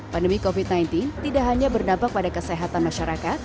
pandemi covid sembilan belas tidak hanya berdampak pada kesehatan masyarakat